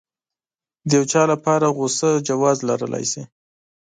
د يو چا لپاره غوسه جواز لرلی شي.